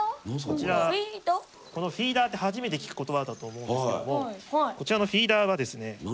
このフィーダーって初めて聞く言葉だと思うんですけどもこちらのフィーダーはですね